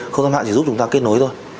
không gian mạng chỉ giúp chúng ta kết nối thôi